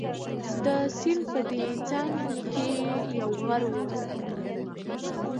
د سیند په دې څنګ کې یو غر وو.